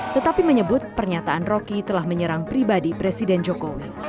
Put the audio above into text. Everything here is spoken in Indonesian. tetapi menyebut pernyataan roky telah menyerang pribadi presiden jokowi